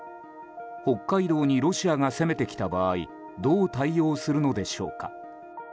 北海道にロシアが攻めてきた場合どう対応するのでしょうか？